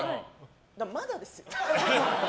だからまだです。